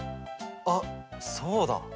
あっそうだ。